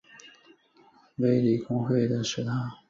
卫理公会中央礼堂。